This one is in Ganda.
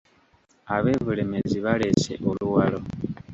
Ab’e Bulemeezi baleese oluwalo.